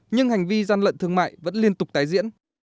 nhưng hành vi gian lận thương mại vẫn liên tục tái diễn